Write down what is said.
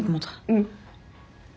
うん。